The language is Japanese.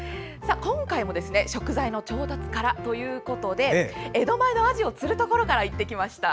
今回も食材の調達からということで江戸前のアジを釣るところから行ってきました。